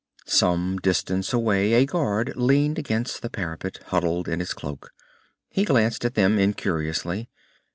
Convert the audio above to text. Some distance away a guard leaned against the parapet, huddled in his cloak. He glanced at them incuriously.